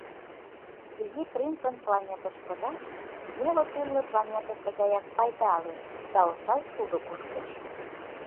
Изи принцын планетыштыжат, моло тӱрлӧ планетысе гаяк, пайдале да осал шудо кушкеш.